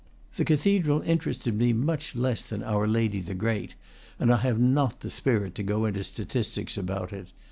The cathedral interested me much less than Our Lady the Great, and I have not the spirit to go into statistics about it.